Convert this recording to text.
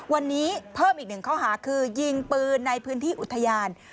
วันนี้เพิ่มอีกหนึ่งข้อหาคือยิงปืนในพื้นที่อุทยาน